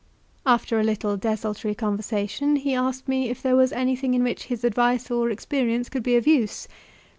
After a little desultory conversation he asked me if there was anything in which his advice or experience could be of use.